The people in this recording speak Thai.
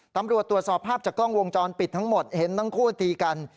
ตำรวจตรวจสอบภาพจากกล้องวงจรปิดทั้งหมดเห็นทั้งคู่ตีกัน